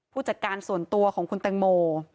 ผู้จัดการส่วนตัวของคุณแตงโม